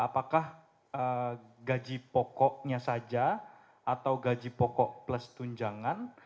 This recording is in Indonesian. apakah gaji pokoknya saja atau gaji pokok plus tunjangan